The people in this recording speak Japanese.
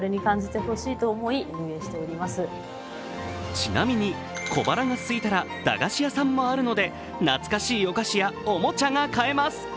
ちなみに小腹がすいたら駄菓子屋さんもあるので懐かしいおもちゃやお菓子も買えます。